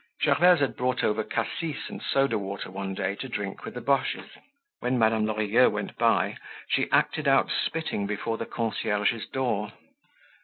Gervaise had brought over cassis and soda water one day to drink with the Boches. When Madame Lorilleux went by, she acted out spitting before the concierge's door.